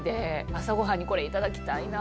朝ごはんにこれいただきたいな。